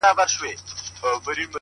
• څه یې مسجد دی څه یې آذان دی؛